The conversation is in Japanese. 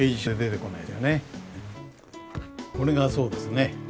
これがそうですね。